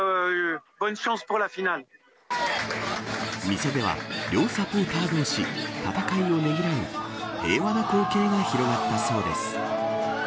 店では両サポーターどうし戦いをねぎらい平和な光景が広がったそうです。